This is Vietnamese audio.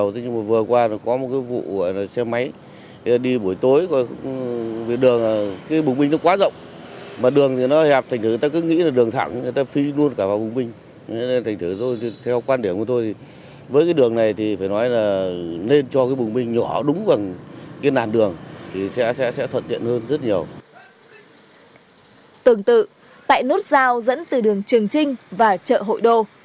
tương tự tại nốt giao dẫn từ đường trường trinh và chợ hội đô